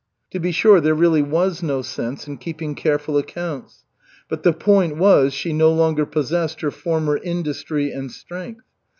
To be sure, there really was no sense in keeping careful accounts; but the point was, she no longer possessed her former industry and strength.